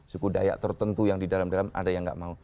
suku dayak tertentu yang di dalam dalam ada yang nggak mau